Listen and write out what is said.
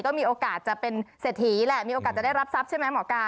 ก็มีโอกาสจะเป็นเศรษฐีแหละมีโอกาสจะได้รับทรัพย์ใช่ไหมหมอกา